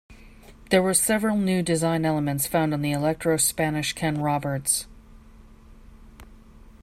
There were several new design elements found on the Electro Spanish Ken Roberts.